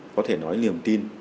có thể nói niềm tin